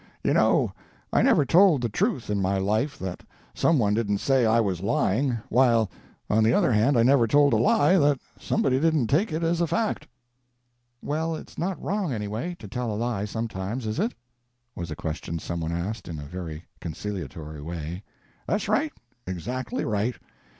You know, I never told the truth in my life that some one didn't say I was lying, while, on the other hand, I never told a lie that somebody didn't take it as a fact." "Well, it's not wrong, anyway, to tell a lie sometimes, is it?" was a question some one asked in a very conciliatory way. "That's right, exactly right.